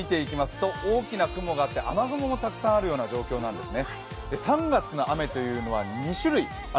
今の日本の空、上空から見ると大きな雲があって雨雲もたくさんあるような状況なんですね。